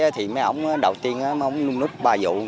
thì mấy ổng đầu tiên mấy ổng núp núp ba vụ